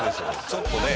ちょっとね。